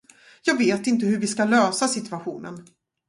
Jag vet inte hur vi ska lösa situationen.